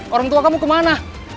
orang tua kamu kemana